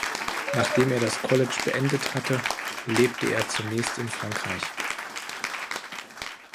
Nachdem er das College beendet hatte, lebte er zunächst in Frankreich.